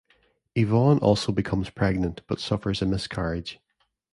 Yvonne also becomes pregnant, but suffers a miscarriage.